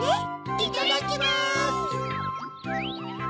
いただきます。